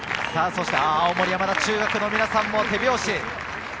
青森山田中学の皆さんも手拍子。